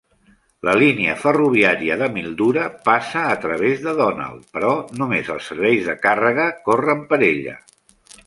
La línia ferroviària de Mildura passa a través de Donald, però només els serveis de càrrega corren per ella.